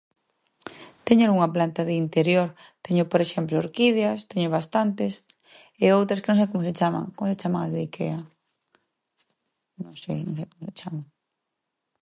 Teño algunha planta de interior. Teño, por exemplo, orquídeas, teño bastantes, e outras que non sei como se chaman. Como se chaman as de Ikea? Non sei chaman.